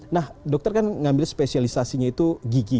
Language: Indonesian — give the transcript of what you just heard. nah dokter kan mengambil spesialisasinya itu gigi ya